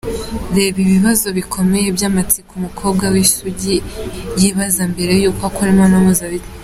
Reba ibibazo bikomeye by’amatsiko umukobwa w’isugi yibaza mbere yuko akora imibonano mpuzabitsina.